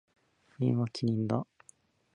キリンはキリンだ。